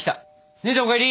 姉ちゃんお帰り！